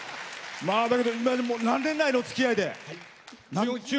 だけど何年来のおつきあいで？